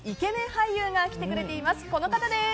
俳優が来てくれています。